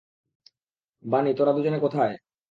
বানি, তোরা দুজনে কোথাই?